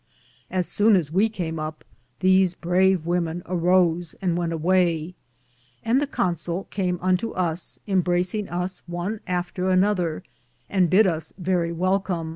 Assowne as we came up, these brave wemen arose and wente awaye, and the Consoll came unto us, imbracinge us one after another, and bid us verrie wellcom.